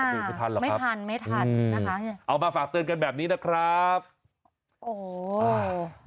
ไม่ทันหรอกครับอืมเอามาฝากเตือนกันแบบนี้นะครับโอ้โฮ